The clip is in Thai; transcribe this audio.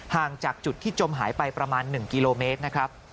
ห่างจากจุดที่จมหายไปประมาณ๑กิโลเมตรนะครับ